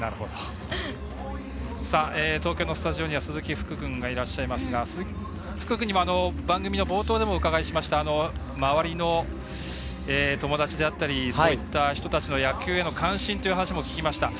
東京のスタジオには鈴木福くんがいらっしゃいますが、福くんにも番組の冒頭でも伺いました周りの友達であったりそういった人たちの野球への関心も聞きました。